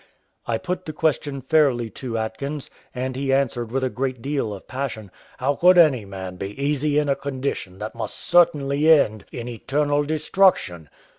I put the question fairly to Atkins; and he answered with a great deal of passion, "How could any man be easy in a condition that must certainly end in eternal destruction?